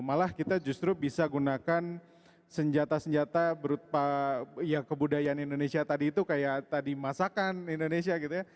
malah kita justru bisa gunakan senjata senjata berupa ya kebudayaan indonesia tadi itu kayak tadi masakan indonesia gitu ya